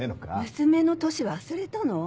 娘の年忘れたの？